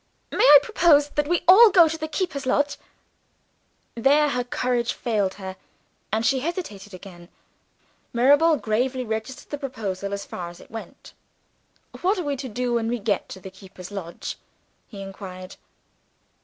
"May I propose that we all go to the keeper's lodge?" There her courage failed her, and she hesitated again. Mirabel gravely registered the proposal, as far as it went. "What are we to do when we get to the keeper's lodge?" he inquired.